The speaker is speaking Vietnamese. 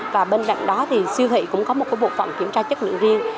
và bên cạnh đó thì siêu thị cũng có một bộ phận kiểm tra chất lượng riêng